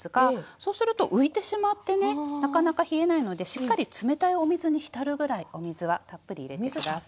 そうすると浮いてしまってねなかなか冷えないのでしっかり冷たいお水に浸るぐらいお水はたっぷり入れて下さい。